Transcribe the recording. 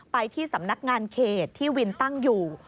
ไปที่สำนักงานเขตที่วินตั้งอยู่